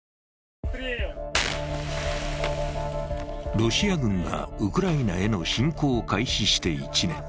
ロシア軍がウクライナへの侵攻を開始して１年。